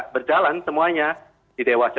berjalan semuanya di dewas ya